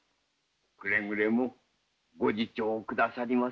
くれぐれもご自重くださりませ。